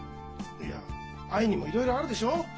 いや愛にもいろいろあるでしょう。